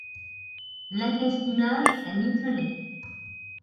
L'accastillage est nickelé.